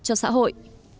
cho xã hội